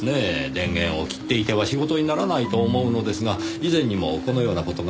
電源を切っていては仕事にならないと思うのですが以前にもこのような事が？